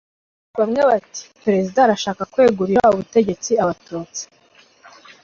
bamwe bati: «perezida arashaka kwegurira ubutegetsi abatutsi.»